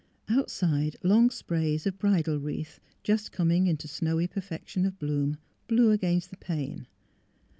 Outside long sprays of bridal wreath, just coming into snowy perfection of bloom, blew against the pane.